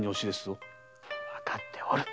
わかっておる。